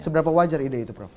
seberapa wajar ide itu prof